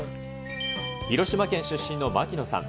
広島県出身の槙野さん。